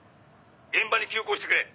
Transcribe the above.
「現場に急行してくれ」